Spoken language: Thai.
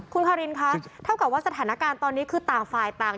คุณคารินคะเท่ากับว่าสถานการณ์ตอนนี้คือต่างฝ่ายต่าง